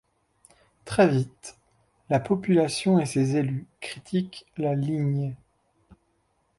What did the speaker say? Très vite, la population et ses élus critiquent la ligne.